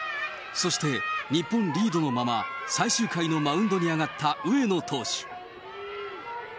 そして、日本リードのまま、最終回のマウンドに上がった上野投手。